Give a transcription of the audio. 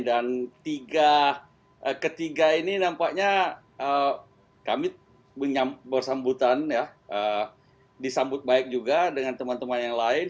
dan ketiga ini nampaknya kami bersambutan disambut baik juga dengan teman teman yang lain